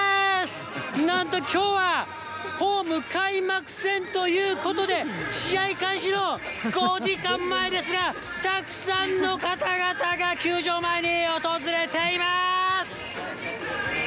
なんときょうは、ホーム開幕戦ということで、試合開始の５時間前ですが、たくさんの方々が球場前に訪れています。